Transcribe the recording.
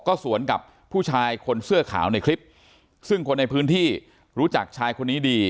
ก็สวนกับผู้ชายคนเสื้อขาวในคลิปซึ่งคนในพื้นที่รู้จักชายคนนี้ดี